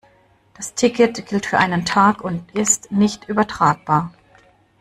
Das Ticket gilt für einen Tag und ist nicht übertragbar.